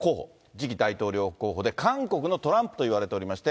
次期大統領候補で、韓国のトランプといわれておりまして。